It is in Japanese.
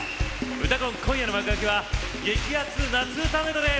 「うたコン」今夜の幕開けは激アツ・夏うたメドレー。